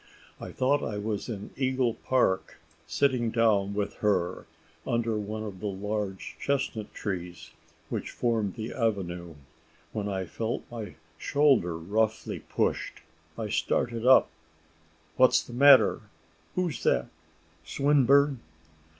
I thought I was in Eagle Park, sitting down with her under one of the large chestnut trees, which formed the avenue, when I felt my shoulder roughly pushed. I started up "What is the matter? Who's that Swinburne?"